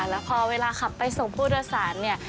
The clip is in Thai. แล้วพอเวลาขับไปส่งผู้โดยสารเนี่ย